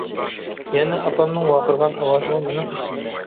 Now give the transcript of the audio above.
يەنە ئاپامنىڭ ۋارقىرىغان ئاۋازىمۇ مېنىڭ ئېسىمدە.